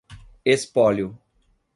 espólio